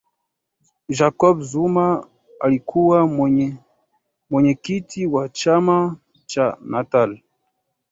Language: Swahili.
jacob zuma alikuwa mwenyekiti wa chama cha natal